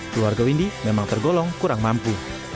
keluarga windy memang tergolong kurang mampu